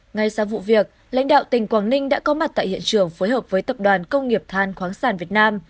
ngay sau vụ việc lãnh đạo tỉnh quảng ninh đã có mặt tại hiện trường phối hợp với tập đoàn công nghiệp than khoáng sản việt nam